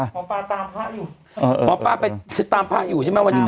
หมอปลาตามพระอยู่หมอป้าไปตามพระอยู่ใช่ไหมวันนี้